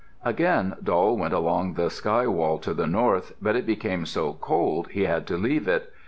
Again Doll went along the sky wall to the north, but it became so cold he had to leave it.